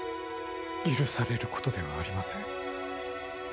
許されることではありません。